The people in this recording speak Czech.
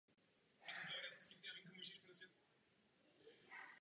Dobře je učme a nechme je najít si cestu.